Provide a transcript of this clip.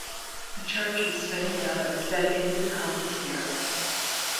The church in Sveti Duh is dedicated to the Holy Spirit.